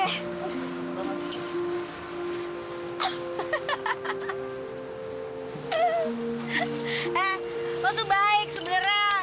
eh aku tuh baik sebenarnya